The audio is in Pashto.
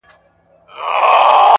سر تر پایه پریوار دی، هغه کس